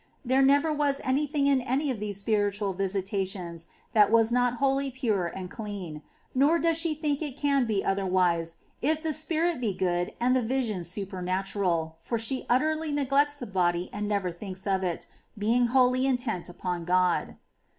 There never was any thing in any of these spiritual visitations that was not wholly pure and clean, nor does she think it can be otherwise if the spirit be good and the visions supernatural, for she utterly neglects the body and never thinks of it, being wholly intent upon Grod.